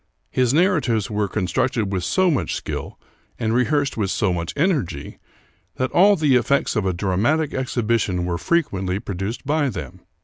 His narratives were con structed with so much skill, and rehearsed with so much energy, that all the effects of a dramatic exhibition were fre quently produced by them.